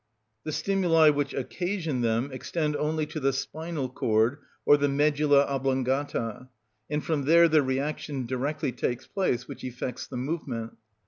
The stimuli which occasion them extend only to the spinal cord or the medulla oblongata, and from there the reaction directly takes place which effects the movement.